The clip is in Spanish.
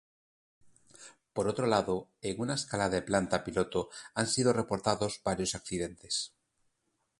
Por otro lado, en una escala de planta piloto han sido reportados varios accidentes.